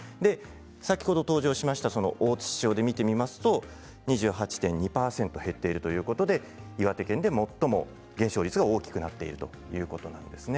先ほど登場した大槌町で見てみますと２８．２％減っているということで岩手県で最も減少率が大きくなっているということです。